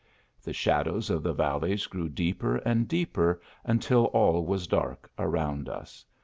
The shadows of the valleys grew deeper and deeper, until all was dark around us.